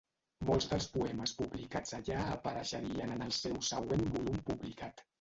Molts dels poemes publicats allà apareixerien en el seu següent volum publicat.